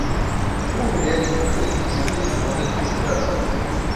Uma mulher em uma camisa de ciclismo anda de bicicleta